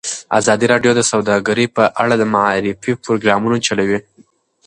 ازادي راډیو د سوداګري په اړه د معارفې پروګرامونه چلولي.